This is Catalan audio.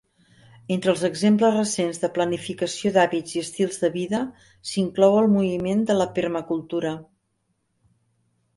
Entre els exemples recents de planificació d'hàbitats i estils de vida s'inclou el moviment de la permacultura.